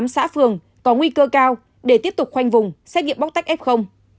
hai mươi tám xã phường có nguy cơ cao để tiếp tục khoanh vùng xét nghiệm bóc tách f